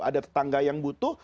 ada tetangga yang butuh